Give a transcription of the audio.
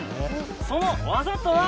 その技とは？